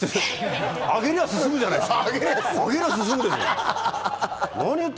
上げりゃ進むじゃないですか。